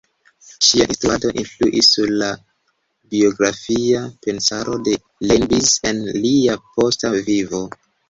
Ŝia instruado influis sur la filozofia pensaro de Leibniz en lia posta vivo.